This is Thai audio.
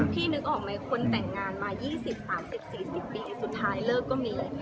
นึกออกไหมคนแต่งงานมา๒๐๓๐๔๐ปีสุดท้ายเลิกก็มี